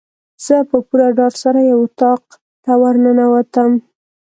زه په پوره ډاډ سره یو اطاق ته ورننوتم.